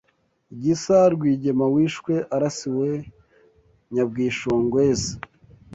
Gisa Rwigema wishwe arasiwe Nyabwishongwezi